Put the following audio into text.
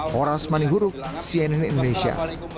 horas mani huruk cnn indonesia